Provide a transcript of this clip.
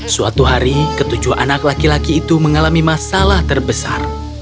suatu hari ketujuh anak laki laki itu mengalami masalah terbesar